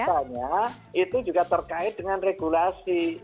dan kebetulannya itu juga terkait dengan regulasi